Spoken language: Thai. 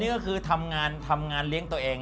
นี่ก็คือทำงานทำงานเลี้ยงตัวเอง